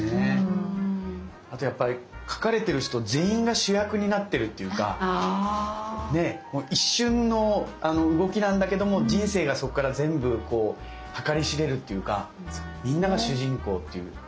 あとやっぱり描かれてる人全員が主役になってるっていうか一瞬の動きなんだけども人生がそっから全部計り知れるっていうかみんなが主人公っていう。